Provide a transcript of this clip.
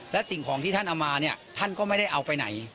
และสิ่งของที่ท่านเอามาเนี่ยท่านก็ไม่ได้เอาไปไหน